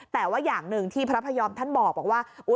แต่ว่าอย่างหนึ่งที่พระพยอมท่านบอกว่า